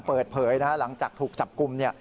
เปิดเผยหลังจากถูกจับกลุ่ม